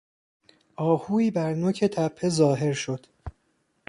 آهویی بر نوک تپه ظاهر شد.